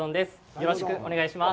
よろしくお願いします。